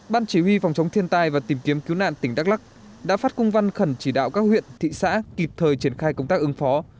ban chỉ huy phòng chống thiên tai và tìm kiếm cứu nạn tỉnh đắk lắc đã phát cung văn khẩn chỉ đạo các huyện thị xã kịp thời triển khai công tác ứng phó